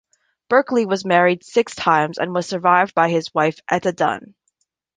Berkeley was married six times and was survived by his wife Etta Dunn.